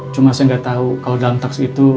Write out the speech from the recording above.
cuma saya gak tau kalo dalam taksi itu